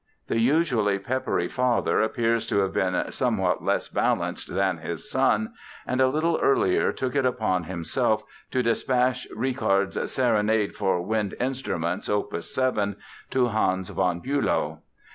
The usually peppery father appears to have been somewhat less balanced than his son and a little earlier took it upon himself to dispatch Richard's Serenade for Wind Instruments, Opus 7, to Hans von Bülow.